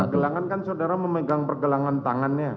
pergelangan kan saudara memegang pergelangan tangannya